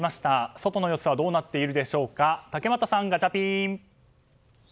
外の様子はどうなっているでしょうか竹俣さん、ガチャピン！